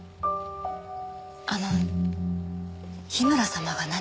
あの樋村様が何か？